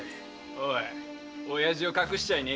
おい親父を隠しちゃいねえか？